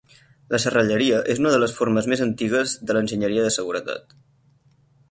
La serralleria és una de les formes més antigues de l'enginyeria de seguretat.